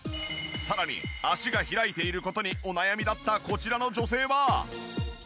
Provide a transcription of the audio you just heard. さらに脚が開いている事にお悩みだったこちらの女性は。